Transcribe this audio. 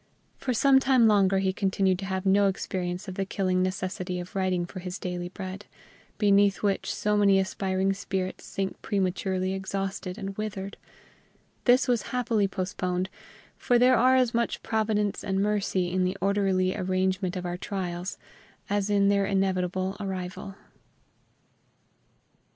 For some time longer he continued to have no experience of the killing necessity of writing for his daily bread, beneath which so many aspiring spirits sink prematurely exhausted and withered; this was happily postponed, for there are as much Providence and mercy in the orderly arrangement of our trials as in their inevitable arrival.